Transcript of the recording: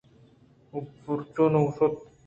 ۔ آ پرچا نہ شُت ؟